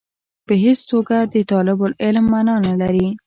په هېڅ توګه د طالب العلم معنا نه لري.